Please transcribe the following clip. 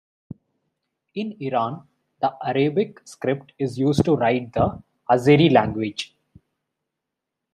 In Iran, the Arabic script is used to write the Azeri language.